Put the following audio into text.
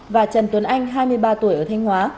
và trần tuấn anh hai mươi ba tuổi ở thanh hóa